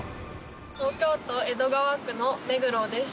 東京都江戸川区の目黒です。